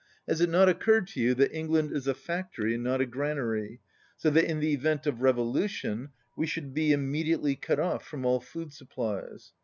Has it not occurred to you that England is a factory and not a granary, so that in the event of revolution we should be immediately cut off from all food supplies.